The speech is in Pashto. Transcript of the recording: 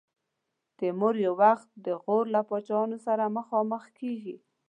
تیمور یو وخت د غور له پاچا سره مخامخ کېږي.